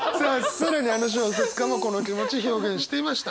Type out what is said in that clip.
更にあの小説家もこの気持ち表現していました。